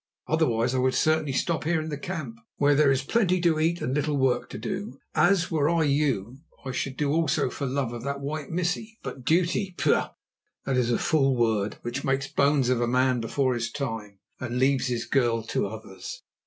Otherwise I would certainly stop here in the camp, where there is plenty to eat and little work to do, as, were I you, I should do also for love of that white missie. But duty—pah! that is a fool word, which makes bones of a man before his time and leaves his girl to others."